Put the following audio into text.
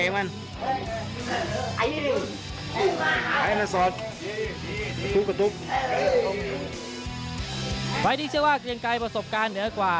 ไฟล์ที่เชื่อว่าเกียงไกรประสบการณ์เหนือกว่า